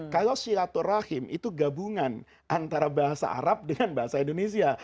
kalau silaturahim itu gabungan antara bahasa arab dengan bahasa indonesia